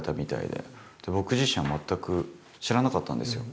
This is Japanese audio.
で僕自身は全く知らなかったんですよ。